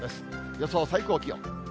予想最高気温。